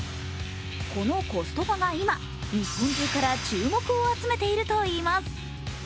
このコストコが今、日本中から注目を集めているといいます。